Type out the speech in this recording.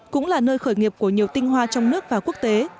cũng là nơi khởi nghiệp của nhiều tinh hoa trong nước và quốc tế